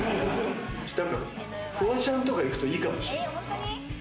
フワちゃんとか行くといいかもしれない。